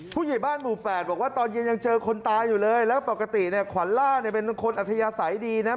ผู้ใหญ่บ้านหมู่๘บอกว่าตอนเย็นยังเจอคนตายอยู่เลยแล้วปกติเนี่ยขวัญล่าเนี่ยเป็นคนอัธยาศัยดีนะ